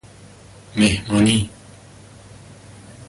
مﮩمانی